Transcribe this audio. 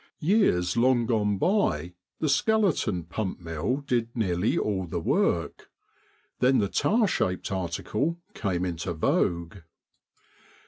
Years long gone by the skeleton pump mill did nearly all the work, then the tower shaped article came into vogue.